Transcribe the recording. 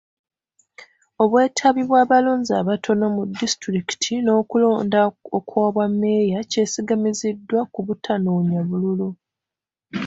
Obwetabi bw'abalonzi abatono mu disitulikiti n'okulonda okw'obwa mmeeya kyesigamiziddwa ku butanoonya bululu.